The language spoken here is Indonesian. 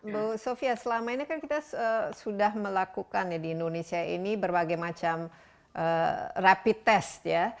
bu sofia selama ini kan kita sudah melakukan ya di indonesia ini berbagai macam rapid test ya